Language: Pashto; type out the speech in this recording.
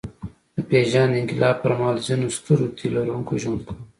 د پېژاند انقلاب پر مهال ځینو سترو تيلرونکي ژوند کاوه.